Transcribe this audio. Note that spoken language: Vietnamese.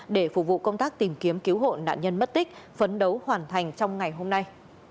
để phục vụ công tác tìm kiếm cứu hộ nạn nhân mất tích phấn đấu hoàn thành trong ngày hôm nay